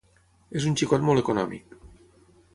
És un xicot molt econòmic.